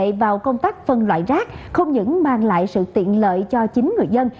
công nghiệp vào công tác phân loại rác không những mang lại sự tiện lợi cho chính người dân